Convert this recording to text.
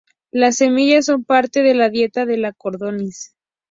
Las semillas son parte de la dieta de la codorniz.